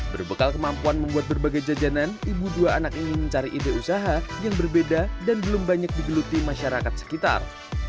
berbekal kemampuan membuat berbagai jajanan ibu dua anak ini mencari ide usaha yang berbeda dan belum banyak digeluti masyarakat sekitar